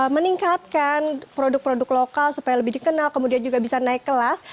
meningkatkan produk produk lokal supaya lebih dikenal kemudian juga bisa naik kelas